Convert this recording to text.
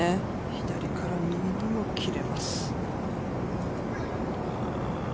左から右にも切れます。